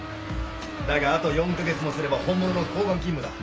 だがあと４カ月もすれば本物の交番勤務だ。